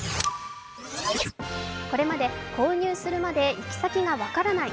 これまで、購入するまで行先が分からない